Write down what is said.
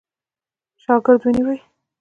شاګرد ونیوی.